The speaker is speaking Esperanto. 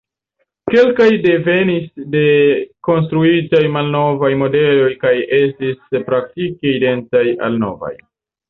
Kelkaj devenis de rekonstruitaj malnovaj modeloj kaj estis praktike identaj al novaj.